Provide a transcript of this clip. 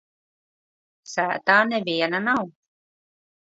Sētā neviena nav.